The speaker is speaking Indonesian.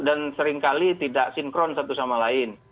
dan seringkali tidak sinkron satu sama lain